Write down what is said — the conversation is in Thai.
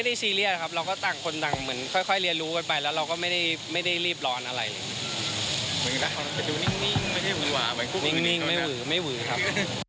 นิ่งไม่หวือไม่หวือครับ